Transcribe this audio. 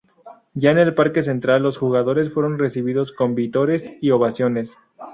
Ya en el Parque Central, los jugadores fueron recibidos con vítores y ovaciones.